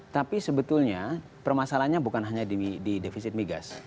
tapi sebetulnya permasalahannya bukan hanya di defisit migas